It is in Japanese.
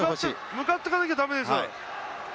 向かっていかなきゃダメです。